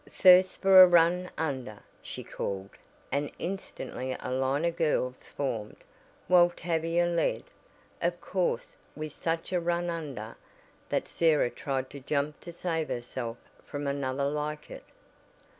"First for a run under!" she called, and instantly a line of girls formed, while Tavia led, of course, with such a "run under" that Sarah tried to jump to save herself from another like it.